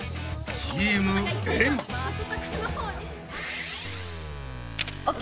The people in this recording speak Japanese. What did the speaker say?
チームエん！ＯＫ！